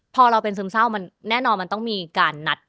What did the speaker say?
พอเราเป็นซึมเศร้ามันแน่นอนมันต้องมีการนัด